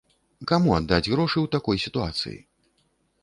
Каму аддаць грошы ў такой сітуацыі?